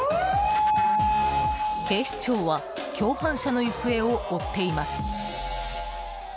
警視庁は共犯者の行方を追っています。